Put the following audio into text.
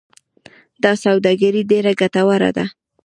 دا سوداګري ډیره ګټوره ده.